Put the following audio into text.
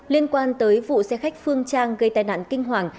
liên quan tới vụ xe khách phương trang gây tai nạn kinh hoàng